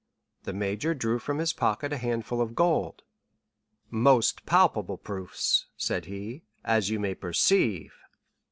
The major drew from his pocket a handful of gold. "Most palpable proofs," said he, "as you may perceive."